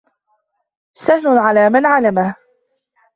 سَهْلٌ عَلَى مَنْ عَلِمَهُ